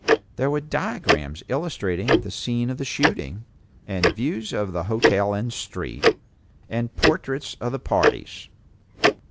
There were diagrams illustrating the scene of the shooting, and views of the hotel and street, and portraits of the parties.